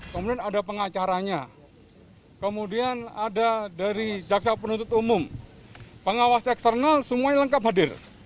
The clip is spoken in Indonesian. kemudian ada pengacaranya kemudian ada dari jaksa penuntut umum pengawas eksternal semuanya lengkap hadir